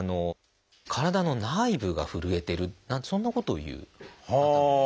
「体の内部がふるえてる」なんてそんなことを言う方も。